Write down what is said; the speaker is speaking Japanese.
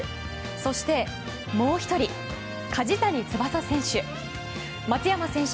そしてもう１人、梶谷翼選手。